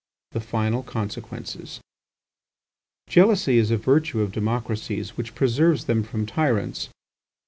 THE FINAL CONSEQUENCES Jealousy is a virtue of democracies which preserves them from tyrants.